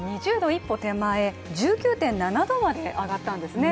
一歩手前１９．７度まで上がったんですね。